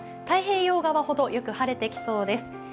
太平洋側ほどよく晴れてきそうです。